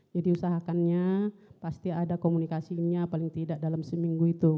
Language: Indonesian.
jadi usahakannya pasti ada komunikasinya paling tidak dalam seminggu itu